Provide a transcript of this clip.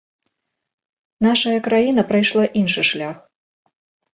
Нашая краіна прайшла іншы шлях.